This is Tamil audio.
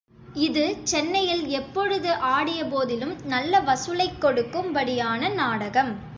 இது சென்னையில் எப்பொழுது ஆடிய போதிலும் நல்ல வசூலைக் கொடுக்கும்படியான நாடகம்.